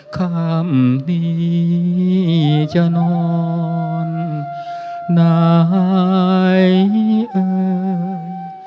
คำดีจะนอนได้เอ่ย